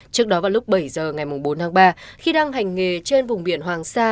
trước đó vào lúc bảy giờ ngày bốn tháng ba khi đang hành nghề trên vùng biển hoàng sa